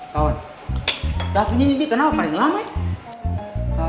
kawan davin ini kenapa paling lama ya